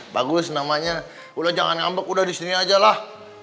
bagus namanya udah jangan ngambek udah di sini aja lah